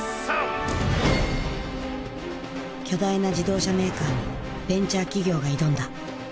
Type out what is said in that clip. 巨大な自動車メーカーにベンチャー企業が挑んだ。